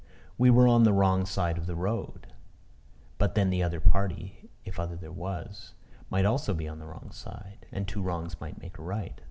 We were on the wrong side of the road. But then the other party, if other there was, might also be on the wrong side; and two wrongs might make a right.